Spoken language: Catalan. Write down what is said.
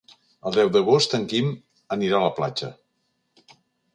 El deu d'agost en Guim anirà a la platja.